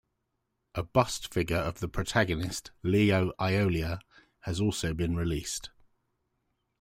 A bust figure of the protagonist, Leo Aiolia, has also been released.